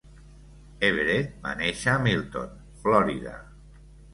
Everett va néixer a Milton (Florida).